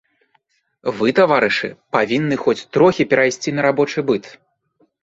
Вы, таварышы, павінны хоць трохі перайсці на рабочы быт.